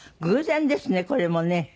偶然ですねこれもね。